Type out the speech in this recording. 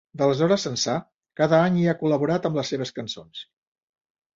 D'aleshores ençà cada any hi ha col·laborat amb les seves cançons.